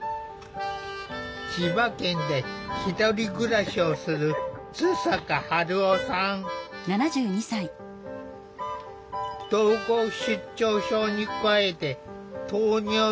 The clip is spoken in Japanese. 千葉県でひとり暮らしをする統合失調症に加えて糖尿病や心臓の持病がある。